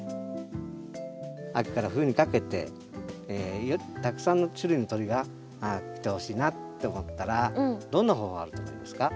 秋から冬にかけてたくさんの種類の鳥が来てほしいなって思ったらどんな方法あると思いますか？